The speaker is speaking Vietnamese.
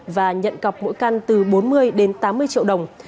và nhận cọc mỗi căn từ bốn mươi đến tám mươi triệu đồng